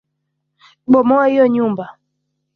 Bomoa iyo nyumba.